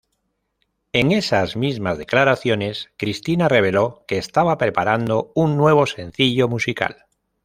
En esas mismas declaraciones, Cristina reveló que estaba preparando un nuevo sencillo musical.